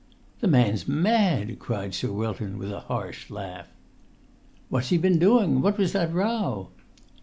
"The man's mad!" cried Sir Wilton with a harsh laugh. "What's he been doing? What was that row?"